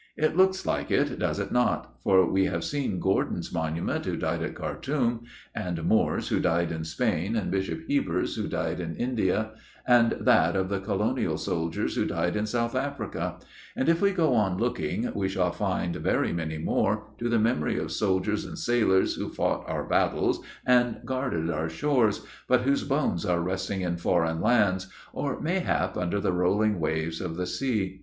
It looks like it, does it not? for we have seen Gordon's monument, who died at Khartoum; and Moore's, who died in Spain; and Bishop Heber's, who died in India; and that of the Colonial soldiers, who died in South Africa; and if we go on looking, we shall find very many more, to the memory of soldiers and sailors who fought our battles, and guarded our shores, but whose bones are resting in foreign lands, or, mayhap, under the rolling waves of the sea.